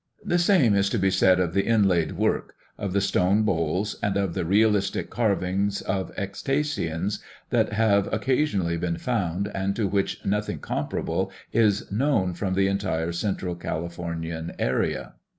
The same is to be said of the inlaid work, of the stone bowls, and of the realistic carvings of cetaceans that have occasionally been found and to which nothing comparable is known from the entire central Calif ornian area.